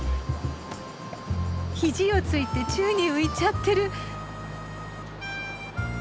肘をついて宙に浮いちゃってる。